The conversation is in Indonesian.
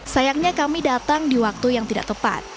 sayangnya kami datang di waktu yang tidak tepat